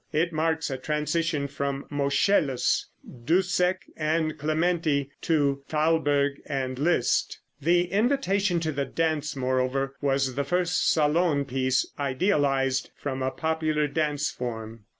It marks a transition from Moscheles, Dussek and Clementi to Thalberg and Liszt. The "Invitation to the Dance," moreover, was the first salon piece idealized from a popular dance form.